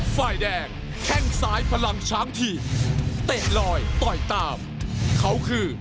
วันนี้ครับผู้เอกนำรายการของเรานะครับเป็นมวยต่างศึกต่างสายครับ